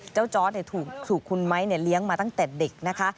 จอร์ดถูกคุณไม้เลี้ยงมาตั้งแต่เด็กนะคะ